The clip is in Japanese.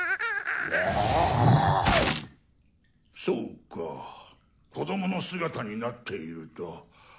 そうか子どもの姿になっていると。